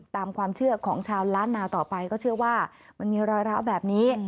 ตามความเชื่อของชาวล้านนาต่อไปก็เชื่อว่ามันมีรอยร้าวแบบนี้